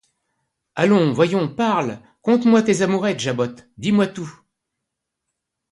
Allons, voyons, parle, conte-moi tes amourettes, jabote, dis-moi tout!